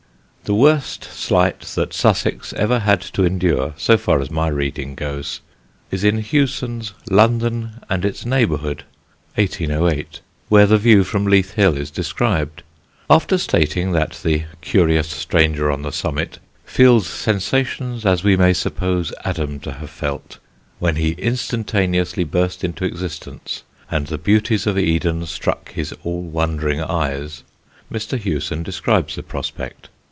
The worst slight that Sussex ever had to endure, so far as my reading goes, is in Hughson's London ... and its Neighbourhood, 1808, where the view from Leith Hill is described. After stating that the curious stranger on the summit "feels sensations as we may suppose Adam to have felt when he instantaneously burst into existence and the beauties of Eden struck his all wondering eyes," Mr. Hughson describes the prospect.